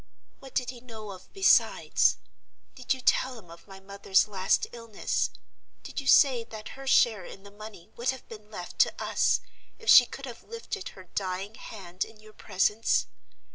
What did he know of besides? Did you tell him of my mother's last illness? Did you say that her share in the money would have been left to us, if she could have lifted her dying hand in your presence?